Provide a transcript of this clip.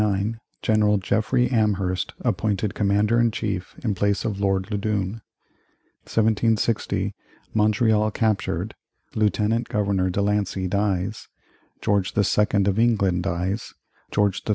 General Jeffrey Amherst appointed Commander in Chief in place of Lord Loudoun 1760. Montreal captured Lieutenant Governor De Lancey dies George II. of England dies George III.